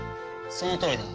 そのとおりだ。